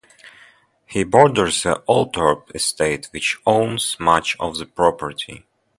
It borders the Althorp estate, which owns much of the property.